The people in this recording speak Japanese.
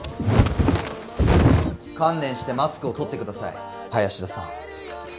観念してマスクを取って下さい林田さん。